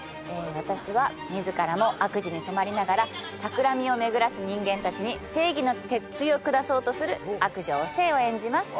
私は自らも悪事に染まりながらたくらみをめぐらす人間たちに正義の鉄槌を下そうとする悪女・お勢を演じます